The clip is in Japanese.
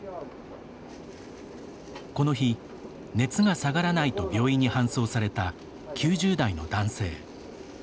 この日、熱が下がらないと病院に搬送された９０代の男性。